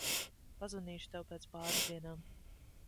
Pazvanīšu tev pēc pāris dienām.